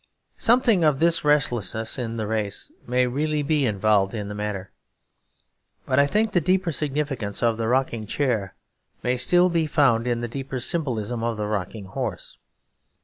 Something of this restlessness in the race may really be involved in the matter; but I think the deeper significance of the rocking chair may still be found in the deeper symbolism of the rocking horse.